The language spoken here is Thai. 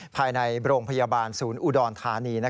ภายในโรงพยาบาลศูนย์อุดรธานี